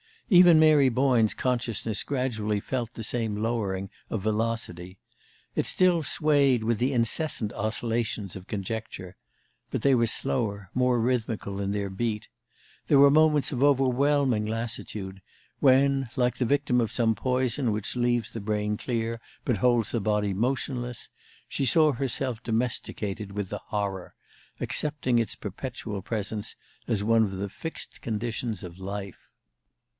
Even Mary Boyne's consciousness gradually felt the same lowering of velocity. It still swayed with the incessant oscillations of conjecture; but they were slower, more rhythmical in their beat. There were moments of overwhelming lassitude when, like the victim of some poison which leaves the brain clear, but holds the body motionless, she saw herself domesticated with the Horror, accepting its perpetual presence as one of the fixed conditions of life.